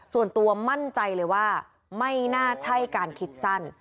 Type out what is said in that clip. ส่วนตัวมั่นใจเลยว่าไม่น่าใช่การคิดสั้น